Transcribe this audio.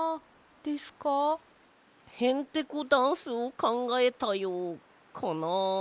へんてこダンスをかんがえたよかなあ？